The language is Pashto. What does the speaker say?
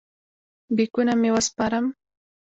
بیکونه مې وسپارم.